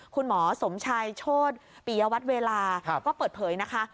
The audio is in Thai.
คุณหมอสมชัยโชธปิยวัตรเวลาก็เปิดเผยนะคะ